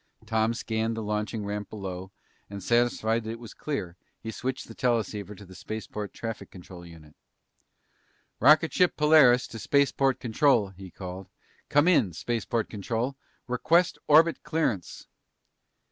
Tom scanned the launching ramp below, and, satisfied it was clear, he switched the teleceiver to the spaceport traffic control circuit. "Rocket cruiser Polaris to spaceport control," he called. "Come in, spaceport control. Request orbit clearance."